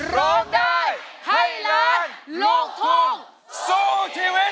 โรคดายไทรลาศโลกธงสู้ชีวิต